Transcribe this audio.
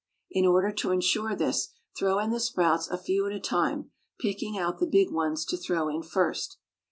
In order to ensure this, throw in the sprouts a few at a time, picking out the big ones to throw in first.